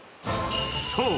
［そう！